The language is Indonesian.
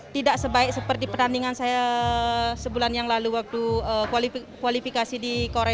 tidak sebaik seperti pertandingan saya sebulan yang lalu waktu kualifikasi di korea